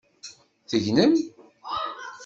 Tegnem?